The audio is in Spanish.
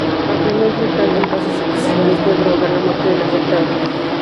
Aunque no es letal, en casos excepcionales puede provocar la muerte del afectado.